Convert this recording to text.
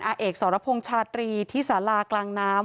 อาเอกสรพงษ์ชาตรีที่สารากลางน้ำ